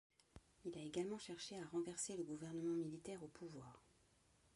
Il a également cherché à renverser le gouvernement militaire au pouvoir.